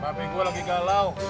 bebe gue lagi galau